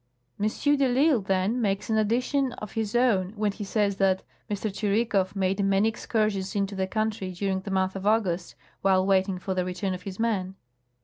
M. de I'lsle, then, makes an addition of his own when he says tlaat ' M. Tschirikow made many excursions into the country, during the month of August, while waiting for the re turn of his men.'